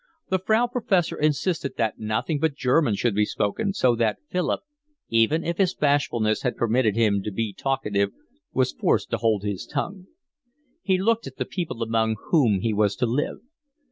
The Frau Professor insisted that nothing but German should be spoken, so that Philip, even if his bashfulness had permitted him to be talkative, was forced to hold his tongue. He looked at the people among whom he was to live.